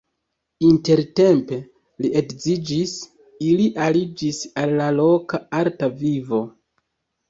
Intertempe li edziĝis, ili aliĝis al la loka arta vivo.